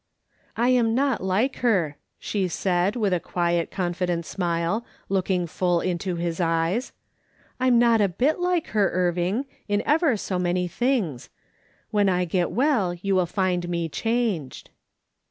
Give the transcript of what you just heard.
" I am not like her," she said, with a quiet, con fident smile, looking full in his eyes ;" I'm not a bit like her, Irving, in ever so many things. When I get well you will find me changed."